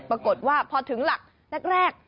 ปรากฏว่าพอถึงหลักแรก